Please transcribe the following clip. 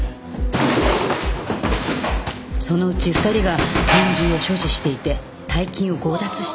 そのうち２人が拳銃を所持していて大金を強奪した。